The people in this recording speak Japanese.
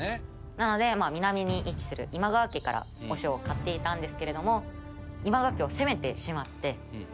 なので南に位置する今川家からお塩を買っていたんですけれども。